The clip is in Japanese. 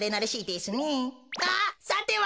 あっさては。